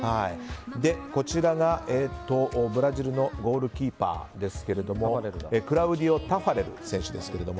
こちらがブラジルのゴールキーパークラウディオ・タファレル選手。